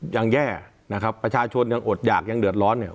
ยังแย่นะครับประชาชนยังอดหยากยังเดือดร้อนเนี่ย